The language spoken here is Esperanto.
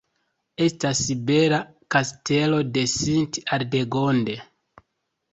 Estas bela kastelo de Sint-Aldegonde.